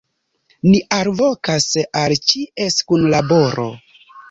Ni alvokas al ĉies kunlaboro.